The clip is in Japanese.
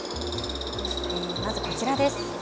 まずこちらです。